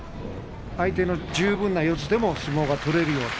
相手の十分な四つでも相撲が取れるような。